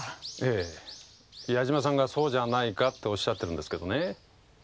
ええ矢島さんがそうじゃないかっておっしゃってるんですけどね